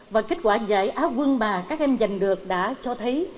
và kết quả giải áo quân mà các em giành được đã cho thấy